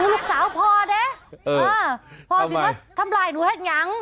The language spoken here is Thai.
นิวลูกสาวพ่อแหละพ่อฝีมัติทำลายหนูแห็งอีกอย่าง